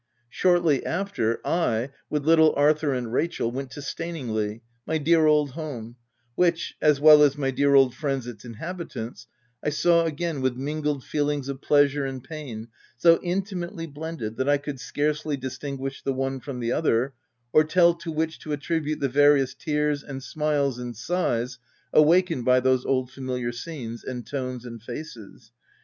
Shortly after, I, with little Arthur and Rachel, went to Staningley, my dear old home, which, as well as my dear old friends its inhabitants, I saw again with mingled feelings of pleasure and pain so intimately blended that I could scarcely distinguish the one from the other, or tell to which to attribute the various tears, and smiles, and* sighs awakened by those old familiar scenes, and tones, and faces.